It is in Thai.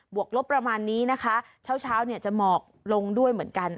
วกลบประมาณนี้นะคะเช้าเนี่ยจะหมอกลงด้วยเหมือนกัน